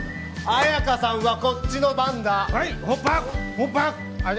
綾華さんはこっちの番だ